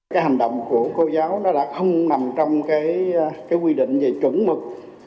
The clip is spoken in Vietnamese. cái hành động của cô giáo đã không nằm trong quy định về chuẩn mực